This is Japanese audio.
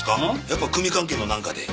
やっぱ組関係のなんかで？